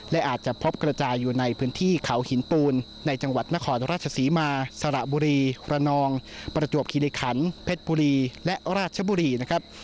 และอาจจะพบกระจายอยู่ในพื้นที่เขาหินปูนในจังหวัดนครราชศรีมาสระบุรีระนองประจวบคิริขันเพชรบุรีและราชบุรีนะครับ